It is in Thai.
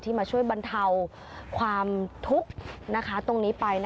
ที่มาช่วยบรรเทาความทุกข์นะคะตรงนี้ไปนะ